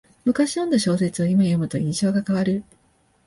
むかし読んだ小説をいま読むと印象が変わる